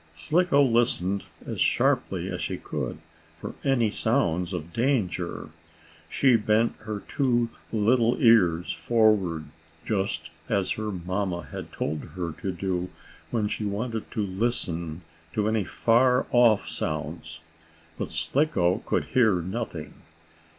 Slicko listened as sharply as she could for any sounds of danger. She bent her two little ears forward, just as her mamma had told her to do when she wanted to listen to any far off sounds. But Slicko could hear nothing.